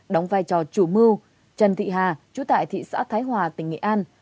đóng vai trò chủ mưu trần thị hà chú tại thị xã thái hòa tỉnh nghệ an